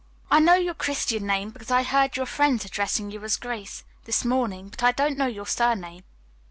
I know your Christian name because I heard your friends addressing you as "Grace" this morning, but I don't know your surname."